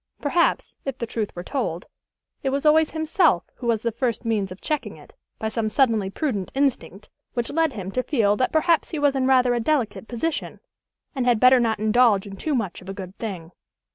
Perhaps, if the truth were told, it was always himself who was the first means of checking it, by some suddenly prudent instinct which led him to feel that perhaps he was in rather a delicate position, and had better not indulge in too much of a good thing.